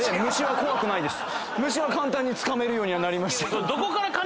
虫は簡単につかめるようにはなりました。